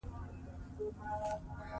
سیلانی ځایونه د افغانستان طبعي ثروت دی.